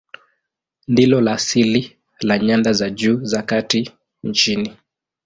Ndilo la asili la nyanda za juu za kati nchini.